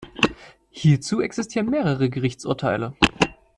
Hierzu existieren mehrere Gerichtsurteile.